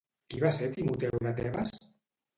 Qui va ser Timoteu de Tebes?